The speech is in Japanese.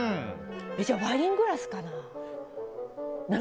じゃあワイングラスかな？